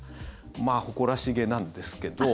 まあ、誇らしげなんですけど。